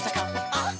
「あっ！